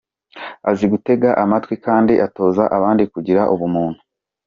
Azi gutega amatwi kandi atoza abandi kugira ubumuntu.